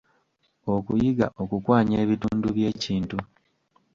Okuyiga okukwanya ebitundu by'ekintu.